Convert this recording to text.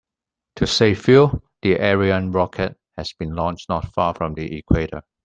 To save fuel, the Ariane rocket has been launched not far from the equator.